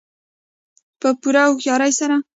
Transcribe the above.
په پوره هوښیارۍ سره.